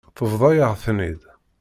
Tebḍa-yaɣ-ten-id.